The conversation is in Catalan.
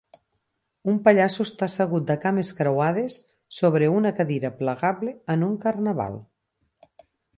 Un pallasso està assegut de cames creuades sobre una cadira plegable en un carnaval.